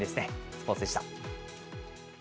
スポーツでした。